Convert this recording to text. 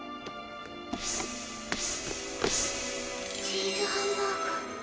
チーズハンバーグ！